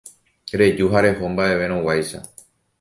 reju ha reho mba'everõguáicha.